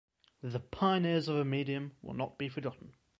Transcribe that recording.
The pioneers of a medium will not be forgotten.